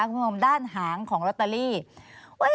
คุณผู้ชมด้านหางของลอตเตอรี่